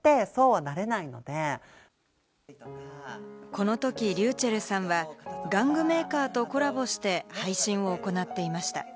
このときｒｙｕｃｈｅｌｌさんは玩具メーカーとコラボして配信を行っていました。